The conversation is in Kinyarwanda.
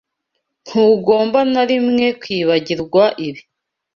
Ntugomba na rimwe kwibagirwa ibi.